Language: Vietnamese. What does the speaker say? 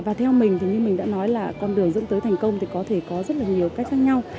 và theo mình thì như mình đã nói là con đường dẫn tới thành công thì có thể có rất là nhiều cách khác nhau